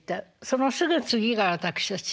そのすぐ次が私たち。